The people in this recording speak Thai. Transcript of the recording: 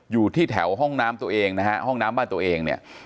อยู่ที่แถวห้องน้ำตัวเองนะฮะห้องน้ำบ้านตัวเองเนี่ย